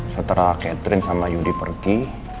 setelah catherine sama yudi pergi